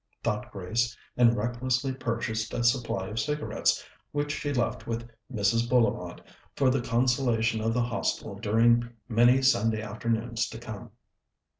thought Grace, and recklessly purchased a supply of cigarettes, which she left with Mrs. Bullivant, for the consolation of the Hostel during many Sunday afternoons to come.